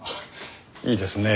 いいですね